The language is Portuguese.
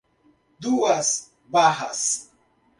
Duas Barras